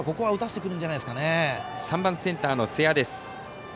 ３番センターの瀬谷です。